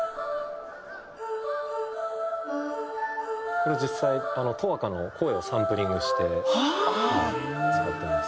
これは実際十明の声をサンプリングして使ってます。